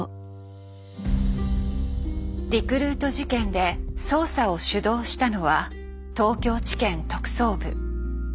リクルート事件で捜査を主導したのは東京地検特捜部。